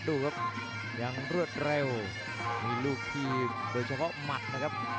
ดูครับยังรวดเร็วมีลูกทีมโดยเฉพาะหมัดนะครับ